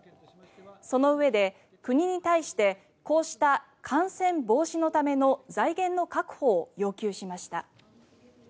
そのうえで国に対してこうした感染防止のための財源の確保を要求しました。